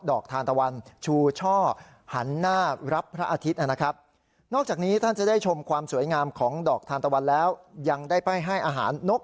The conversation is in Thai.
แล้วก็ช็อปของท้องถิ่น